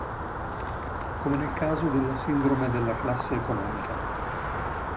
Come nel caso della sindrome della classe economica.